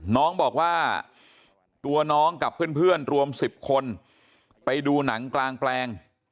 น้องบอกว่าตัวน้องกับเพื่อนรวม๑๐คนไปดูหนังกลางแปลง